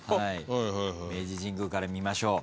明治神宮から見ましょう。